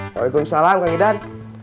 waalaikumsalam kang idan